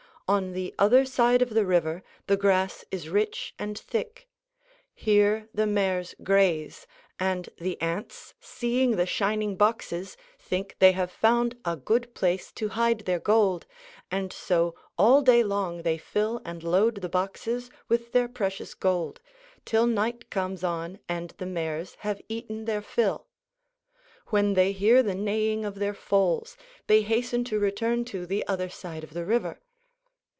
On the other side of the river the grass is rich and thick. Here the mares graze, and the ants seeing the shining boxes think they have found a good place to hide their gold, and so all day long they fill and load the boxes with their precious gold, till night comes on and the mares have eaten their fill. When they hear the neighing of their foals they hasten to return to the other side of the river.